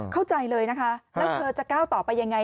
เข้าใจเลยนะคะแล้วเธอจะก้าวต่อไปยังไง